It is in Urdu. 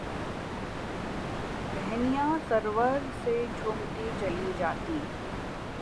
ہہنیاں سرور سے جھومتی چلی جاتیں